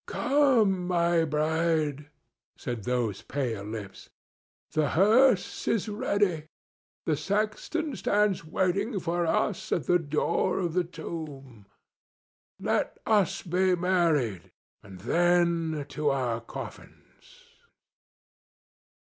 "Come, my bride!" said those pale lips. "The hearse is ready; the sexton stands waiting for us at the door of the tomb. Let us be married, and then to our coffins!"